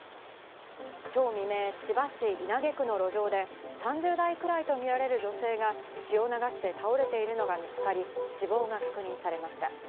今日未明、千葉市稲毛区の路上で３０代くらいとみられる女性が血を流して倒れているのが見つかり、死亡が確認されました。